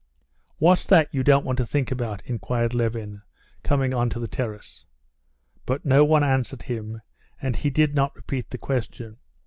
"What's that you don't want to think about?" inquired Levin, coming onto the terrace. But no one answered him, and he did not repeat the question.